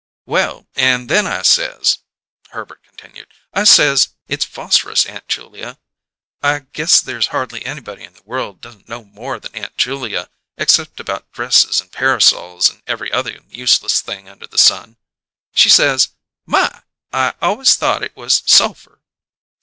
"Well, and then I says," Herbert continued; "I says: 'It's phosphorus, Aunt Julia.' I guess there's hardly anybody in the world doesn't know more than Aunt Julia, except about dresses and parasols and every other useless thing under the sun. She says: 'My! I always thought it was sulphur!'